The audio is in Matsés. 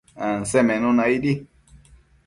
Ansemenuna aidi